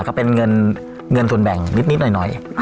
ก็เป็นเงินส่วนแบ่งนิดหน่อย